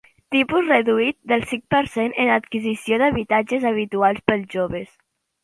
Tipus reduït del cinc per cent en adquisició d'habitatge habitual per joves.